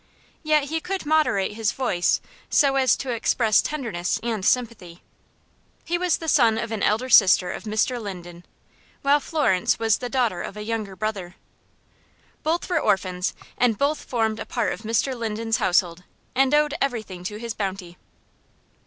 Yet he could moderate his voice so as to express tenderness and sympathy. He was the son of an elder sister of Mr. Linden, while Florence was the daughter of a younger brother. Both were orphans, and both formed a part of Mr. Linden's household, and owed everything to his bounty.